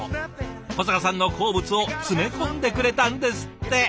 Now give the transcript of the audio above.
小坂さんの好物を詰め込んでくれたんですって。